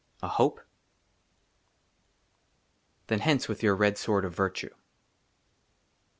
A HOPE ? THEN HENCE WITH YOUR RED SWORD OF VIRTUE.